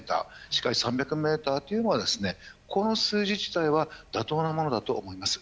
視界３００ｍというのはこの数字自体は妥当なものだと思います。